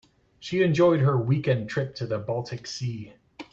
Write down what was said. She enjoyed her weekend trip to the baltic sea.